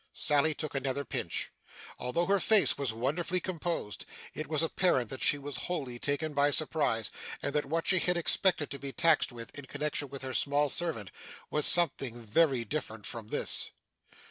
Sally took another pinch. Although her face was wonderfully composed, it was apparent that she was wholly taken by surprise, and that what she had expected to be taxed with, in connection with her small servant, was something very different from this.